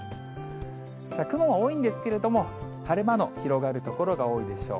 雲は多いんですけれども、晴れ間の広がる所が多いでしょう。